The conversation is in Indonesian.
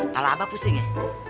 kalau abah pusing ya